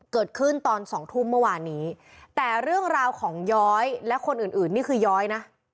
เกิดขึ้นตอนสองทุ่มเมื่อวานนี้แต่เรื่องราวของย้อยและคนอื่นอื่นนี่คือย้อยนะ